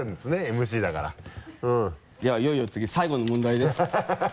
ＭＣだからではいよいよ次最後の問題です